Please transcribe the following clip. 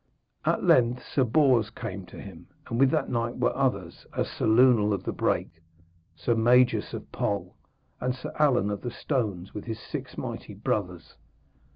At length Sir Bors came to him, and with that knight were others, as Sir Lunel of the Brake, Sir Magus of Pol, and Sir Alan of the Stones with his six mighty brothers.